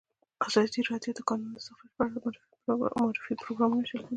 ازادي راډیو د د کانونو استخراج په اړه د معارفې پروګرامونه چلولي.